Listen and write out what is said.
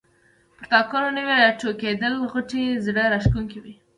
پر تاکانو نوي راټوکېدلي غوټۍ زړه راکښونکې وې.